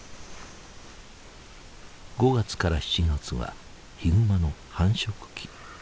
５月から７月はヒグマの繁殖期。